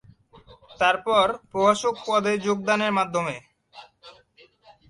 তারপর প্রভাষক পদে যোগদানের মাধ্যমে।